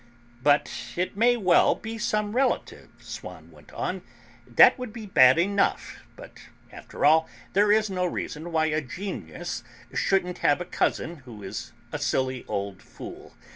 "But it may well be some relative," Swann went on. "That would be bad enough; but, after all, there is no reason why a genius shouldn't have a cousin who is a silly old fool.